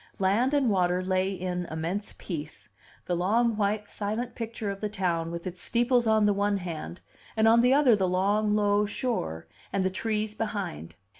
Land and water lay in immense peace; the long, white, silent picture of the town with its steeples on the one hand, and on the other the long, low shore, and the trees behind.